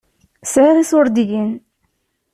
Sɛiɣ iṣuṛdiyen.